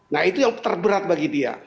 nah itu yang terberat bagi dia